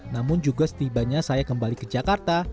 namun juga setibanya saya kembali ke jakarta